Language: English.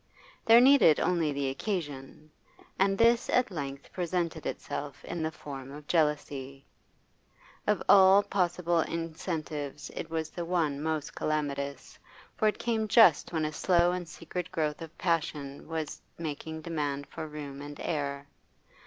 There needed only the occasion, and this at length presented itself in the form of jealousy. Of all possible incentives it was the one most calamitous, for it came just when a slow and secret growth of passion was making demand for room and air.